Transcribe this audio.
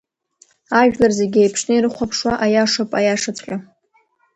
Ажәлар зегьы еиԥшны ирыхәаԥшуа аиашоуп аиашаҵәҟьа.